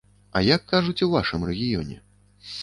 А як кажуць у вашым рэгіёне?